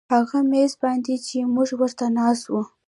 هغه میز باندې چې موږ ورته ناست وو